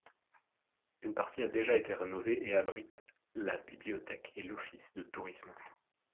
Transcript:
Une partie a déjà été rénovée et abrite la bibliothèque et l’office de tourisme.